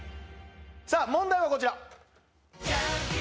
さあ問題はこちら！